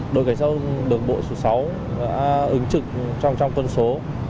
đội cảnh sát đường bộ số sáu đã ứng trực trong con số